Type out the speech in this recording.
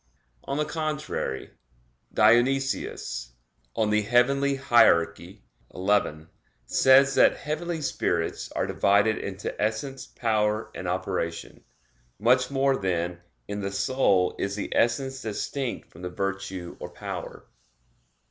On the contrary, Dionysius (Coel. Hier. xi) says that "heavenly spirits are divided into essence, power, and operation." Much more, then, in the soul is the essence distinct from the virtue or power.